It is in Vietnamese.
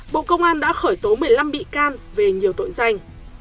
bộ công an đã khởi tố một mươi năm bị can về nhiều tội danh